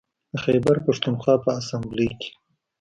د خیبر پښتونخوا په اسامبلۍ کې